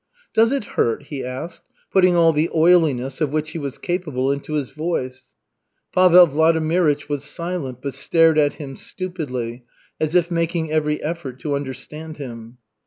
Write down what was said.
"Does it hurt?" he asked, putting all the oiliness of which he was capable into his voice. Pavel Vladimirych was silent, but stared at him stupidly, as if making every effort to understand him.